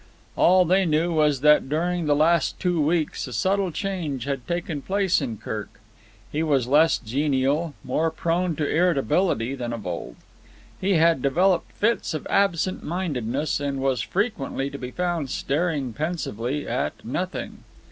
All they knew was that during the last two weeks a subtle change had taken place in Kirk. He was less genial, more prone to irritability than of old. He had developed fits of absent mindedness, and was frequently to be found staring pensively at nothing.